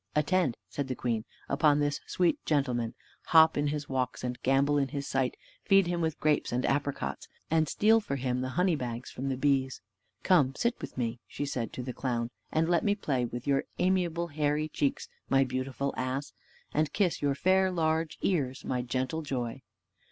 "Attend," said the queen, "upon this sweet gentleman; hop in his walks, and gambol in his sight; feed him with grapes and apricots, and steal for him the honey bags from the bees. Come, sit with me," said she to the clown, "and let me play with your amiable hairy cheeks, my beautiful ass! and kiss your fair large ears, my gentle joy!"